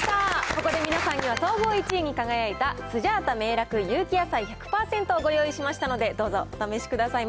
ここで皆さんには総合１位に輝いたスジャータめいらく有機野菜１００％をご用意しましたので、どうぞ、お試しください。